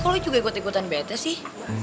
kok lo juga ikut ikutan bete sih